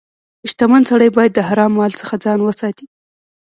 • شتمن سړی باید د حرام مال څخه ځان وساتي.